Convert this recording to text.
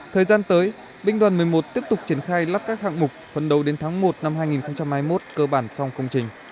thời gian tới binh đoàn một mươi một tiếp tục triển khai lắp các hạng mục phấn đấu đến tháng một năm hai nghìn hai mươi một cơ bản xong công trình